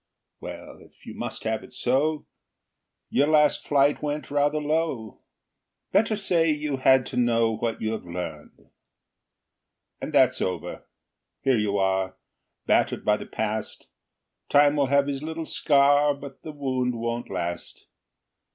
Well, if you must have it so, Your last flight went rather low. Better say you had to know What you have learned. And that's over. Here you are, Battered by the past. Time will have his little scar, But the wound won't last.